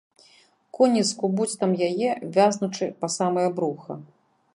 Коні скубуць там яе, вязнучы па самае бруха.